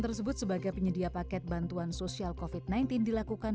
sekretaris jenderal kementerian sosial hartono laras pun mengatakan